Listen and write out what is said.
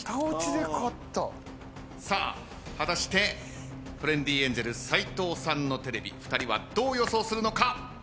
さあ果たしてトレンディエンジェル斎藤さんのテレビ２人はどう予想するのか？